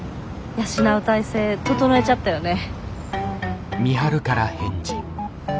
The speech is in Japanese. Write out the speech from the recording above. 養う体制整えちゃったよね。